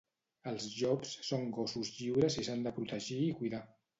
Els llops són gossos lliures i s'han de protegir i cuidar